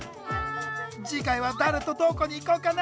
次回は誰とどこに行こうかな。